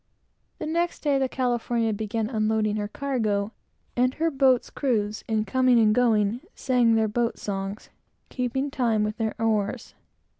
The next day, the California commenced unloading her cargo; and her boats' crews, in coming and going, sang their boat songs, keeping time with their oars.